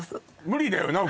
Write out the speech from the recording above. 無理だよな